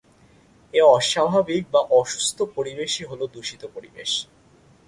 এ অস্বাভাবিক বা অসুস্থ পরিবেশই হলো দূষিত পরিবেশ।